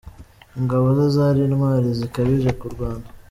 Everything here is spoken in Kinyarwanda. Ingabo ze zari intwari zikabije kurwana.